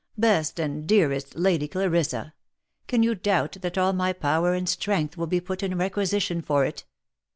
Best and dearest Lady Clarissa ! Can you doubt that all my power and strength will be put in requisition for it